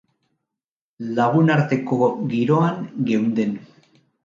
Lagunarteko giroan geunden.